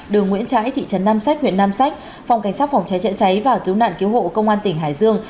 đường nguyễn trãi thị trấn nam sách huyện nam sách phòng cảnh sát phòng cháy chữa cháy và cứu nạn cứu hộ công an tỉnh hải dương